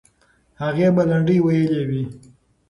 هغې به لنډۍ ویلې وي.